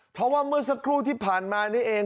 เพราะว่าเมื่อสักครู่ที่ผ่านมานี้เอง